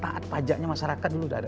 taat pajaknya masyarakat dulu sudah ada